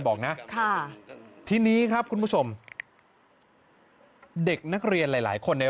บอกนะค่ะทีนี้ครับคุณผู้ชมเด็กนักเรียนหลายหลายคนใน